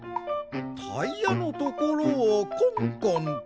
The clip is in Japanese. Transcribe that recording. タイヤのところをコンコンとな？